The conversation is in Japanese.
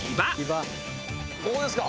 ここですか？